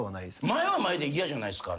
前は前で嫌じゃないですか？